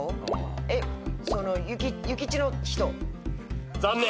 えっその諭吉の人。